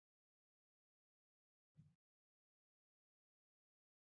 هغې په سختۍ سره وويل چې زه دا تور پر ځان نه شم منلی